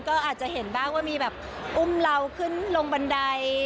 ก็อาจจะเห็นบ้างว่ามีแบบอุ้มเราขึ้นลงบันได